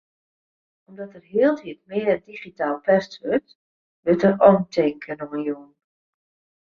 Om't der hieltyd mear digitaal pest wurdt, wurdt dêr omtinken oan jûn.